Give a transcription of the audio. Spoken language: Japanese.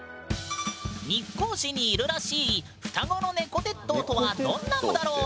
日光市にいるらしい「双子のネコ鉄塔」とはどんなのだろう？